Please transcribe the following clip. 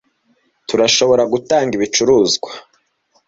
Turashobora gutanga ibicuruzwa